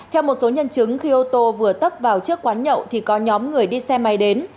theo một số nhân chứng khi ô tô vừa tấp vào trước quán nhậu thì có nhóm người đi xe máy đến